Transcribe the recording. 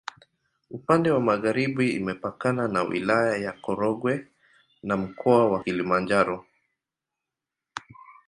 Upande wa magharibi imepakana na Wilaya ya Korogwe na Mkoa wa Kilimanjaro.